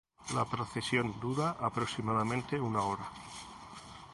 La procesión dura aproximadamente una hora.